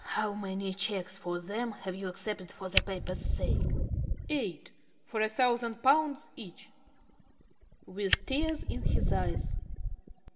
How many cheques for them have you accepted for the paper's sake? ~Jones.~ Eight. For a thousand pounds each. ~Smith~ (with tears in his eyes).